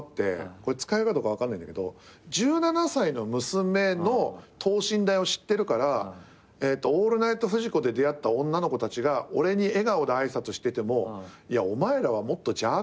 これ使えるかどうか分かんないんだけど１７歳の娘の等身大を知ってるから『オールナイトフジコ』で出会った女の子たちが俺に笑顔で挨拶しててもいやお前らはもっと邪悪だろって心で思っちゃう。